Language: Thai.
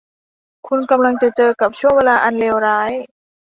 คุณกำลังจะเจอกับช่วงเวลาอันเลวร้าย